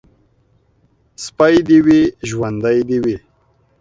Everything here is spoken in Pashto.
سپى دي وي ، ژوندى دي وي.